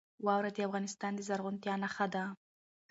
واوره د افغانستان د زرغونتیا نښه ده.